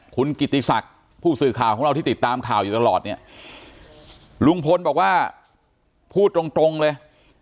คุณกิติศักดิ์ผู้สื่อข่าวของเราที่ติดตามข่าวอยู่ตลอดเนี่ยลุงพลบอกว่าพูดตรงตรงเลย